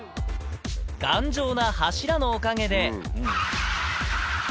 頑丈な柱のおかげで。